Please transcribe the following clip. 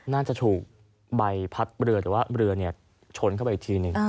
น่าจะถูกใบพัดเรือแต่ว่าเรือชนเข้าไปอีกทีหนึ่ง